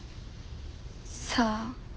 さあ。